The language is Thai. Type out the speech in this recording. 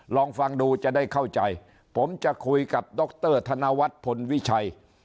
ลองฟังดูจะได้เข้าใจผมจะคุยกับดรธนวัฒน์พลวิชัย